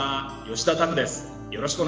吉田拓です。